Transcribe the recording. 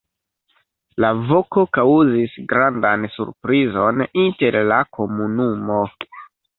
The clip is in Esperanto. La voko kaŭzis grandan surprizon inter la komunumo.